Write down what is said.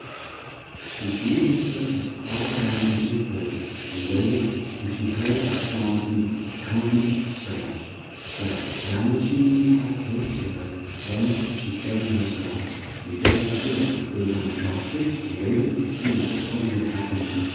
She drew her foot as far down as she could, and wait ed till she heard a small beast (she couldn't guess of what sort it was) come scratch! scratch! down the chim ney quite close to her; then she said to her self: "This is Bill," gave one sharp kick and wait ed to see what would hap pen next.